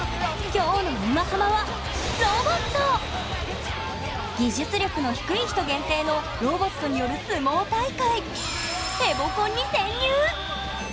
きょうの「沼ハマ」は技術力の低い人限定のロボットによる相撲大会おお！